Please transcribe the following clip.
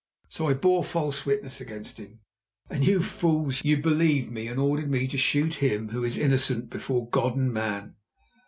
So I bore false witness against him, and, you fools, you believed me and ordered me to shoot him who is innocent before God and man.